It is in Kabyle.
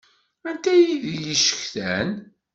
Anta i d-yecetkan?